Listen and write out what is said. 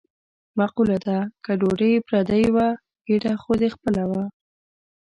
مقوله ده: که ډوډۍ پردۍ وه ګېډه خو دې خپله وه.